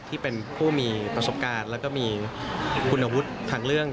ที่เป็นผู้มีประสบการณ์แล้วก็มีคุณวุฒิทางเรื่อง